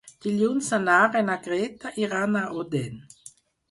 Dilluns na Nara i na Greta iran a Odèn.